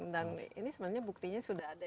dan ini sebenarnya buktinya sudah ada